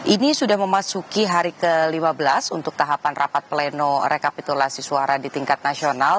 ini sudah memasuki hari ke lima belas untuk tahapan rapat pleno rekapitulasi suara di tingkat nasional